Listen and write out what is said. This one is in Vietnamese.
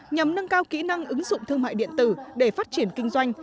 nhằm nâng cao kỹ năng ứng dụng thương mại điện tử để phát triển kinh doanh